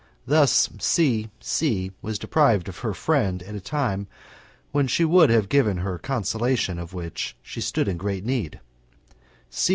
Thus C C was deprived of her friend at a time when she would have given her consolation, of which she stood in great need.